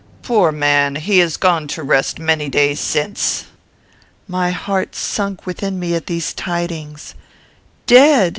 Poor man! He is gone to rest many days since." My heart sunk within me at these tidings. "Dead!"